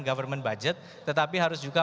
government budget tetapi harus juga